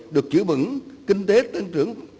được chữ vững kinh tế tăng trưởng